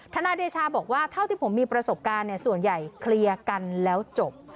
นายเดชาบอกว่าเท่าที่ผมมีประสบการณ์ส่วนใหญ่เคลียร์กันแล้วจบ